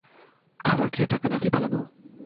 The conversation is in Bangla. খাবার খেয়ে টাকা না দিয়ে পালানো?